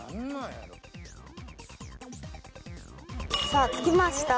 さあ着きました。